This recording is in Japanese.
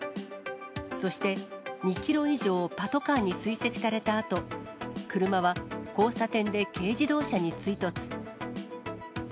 そして、２キロ以上、パトカーに追跡されたあと、車は交差点で軽自動車に追突。